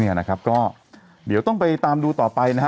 เนี่ยนะครับก็เดี๋ยวต้องไปตามดูต่อไปนะฮะ